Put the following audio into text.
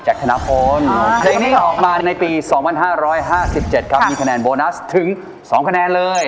ออกมาในปี๒๕๕๗ครับมีคะแนนโบนัสถึง๒คะแนนเลย